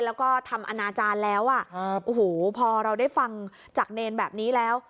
แล้วก็ทำอนาจารย์แล้วพอเราได้ฟังจักรเนรแบบนี้แล้ว